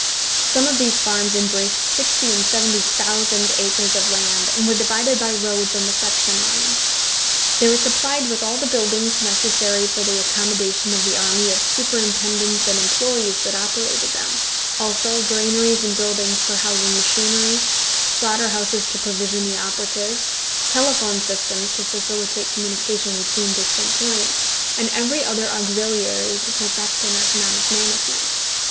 Some of these farms embraced sixty and seventy thousand acres of land, and were divided by roads on the section lines. They were supplied with all the buildings necessary for the accommodation of the army of superintendents and employes that operated them; also, granaries and buildings for housing machinery, slaughter houses to provision the operatives, telephone systems to facilitate communication between distant points, and every other auxiliary to perfect an economic management.